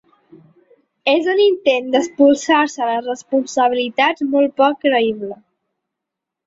És un intent d’espolsar-se les responsabilitats molt poc creïble.